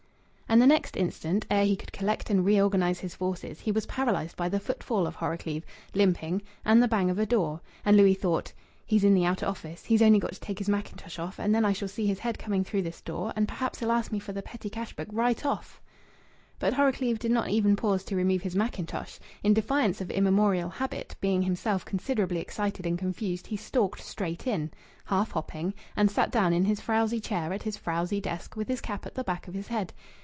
And the next instant, ere he could collect and reorganize his forces, he was paralysed by the footfall of Horrocleave, limping, and the bang of a door. And Louis thought "He's in the outer office. He's only got to take his mackintosh off, and then I shall see his head coming through this door, and perhaps he'll ask me for the petty cash book right off." But Horrocleave did not even pause to remove his mackintosh. In defiance of immemorial habit, being himself considerably excited and confused, he stalked straight in, half hopping, and sat down in his frowsy chair at his frowsy desk, with his cap at the back of his head.